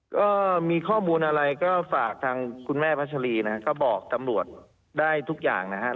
ก็มีข้อมูลอะไรก็ฝากทางคุณแม่พัชรีนะครับก็บอกตำรวจได้ทุกอย่างนะครับ